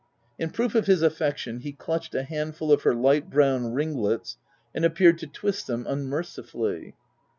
In proof of his affection, he clutched a handful of her light brown ringlets and appeared to twist them un mercifully.